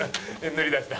塗りだした。